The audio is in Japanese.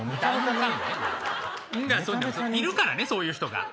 「ン」が「ソ」にいるからねそういう人が。